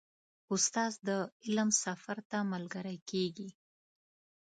استاد د علم سفر ته ملګری کېږي.